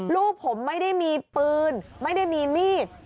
ลูกผมไม่ได้มีปืนไม่ได้มีมีด